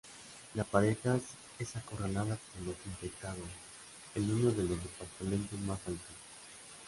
La pareja es acorralada por los infectados en uno de los departamentos más altos.